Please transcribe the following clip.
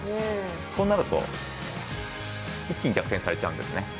そうなると、一気に逆転されちゃうんですね。